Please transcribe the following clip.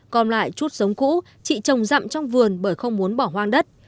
còn lại chút sống cũ chị trồng dặm trong vườn bởi không muốn bỏ hoang đất